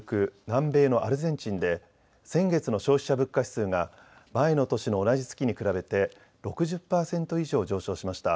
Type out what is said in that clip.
南米のアルゼンチンで先月の消費者物価指数が前の年の同じ月に比べて６０％以上上昇しました。